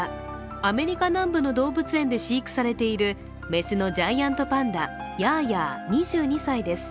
アメリカ南部の動物園で飼育されている雌のジャイアントパンダ、ヤーヤー２２歳です。